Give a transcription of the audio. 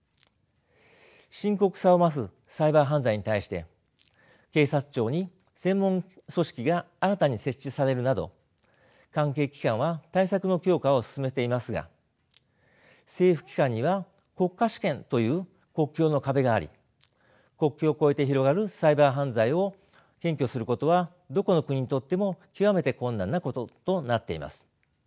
深刻さを増すサイバー犯罪に対して警察庁に専門組織が新たに設置されるなど関係機関は対策の強化を進めていますが政府機関には国家主権という国境の壁があり国境を越えて広がるサイバー犯罪を検挙することはどこの国にとっても極めて困難なこととなっています。